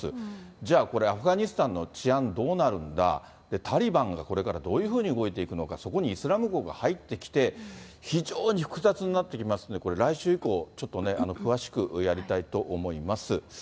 じゃあこれ、アフガニスタンの治安、どうなるんだ、タリバンがこれからどういうふうに動いていくのか、そこにイスラム国が入ってきて、非常に複雑になってきますんで、これ、来週以降、ちょっとね、詳しくやりたいと思います。